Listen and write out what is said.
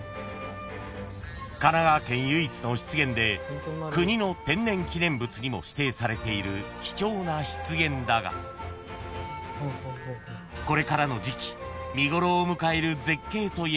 ［神奈川県唯一の湿原で国の天然記念物にも指定されている貴重な湿原だがこれからの時季見頃を迎える絶景といえば］